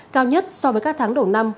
cao nhất so với các tháng đổ năm